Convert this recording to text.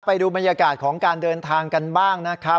ไปดูบรรยากาศของการเดินทางกันบ้างนะครับ